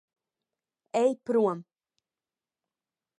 Ej prom.